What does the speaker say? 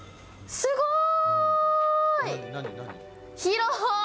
すごーい！